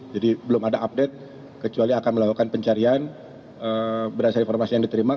jadi belum ada update kecuali akan melakukan pencarian berdasarkan informasi yang diterima